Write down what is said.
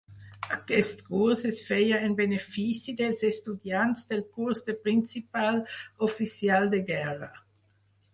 Aquest curs es feia en benefici dels estudiants del curs de principal oficial de guerra.